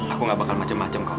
aku nggak bakal macam macam kamu